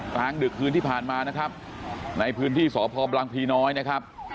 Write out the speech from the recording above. กลางดึกคืนที่ผ่านมานะครับในพื้นที่สพบังพีน้อยนะครับ